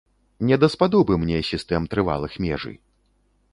Не даспадобы мне сістэм трывалых межы.